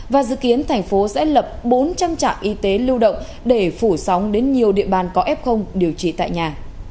và dự kiến thành phố sẽ lập bốn trăm linh trạm y tế lưu động để phủ sóng đến nhiều địa bàn có f điều trị tại nhà